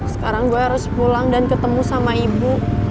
sekarang gue harus pulang dan ketemu sama ibu